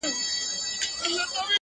خدایه معلوم یمه، منافقت نه کوم،